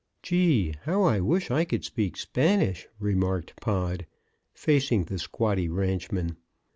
"Gee! how I wish I could speak Spanish!" remarked Pod, facing the squatty ranchman.